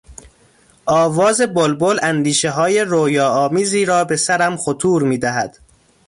آواز بلبل اندیشههای رویاآمیزی را به سرم خطور میدهد.